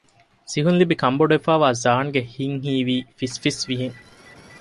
ސިހުންލިބި ކަންބޮޑުވެފައިވާ ޒާންގެ ހިތް ހީވީ ފިސްފިސްވިހެން